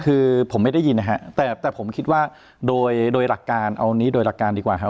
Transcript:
คือผมไม่ได้ยินนะฮะแต่ผมคิดว่าโดยหลักการเอานี้โดยหลักการดีกว่าครับ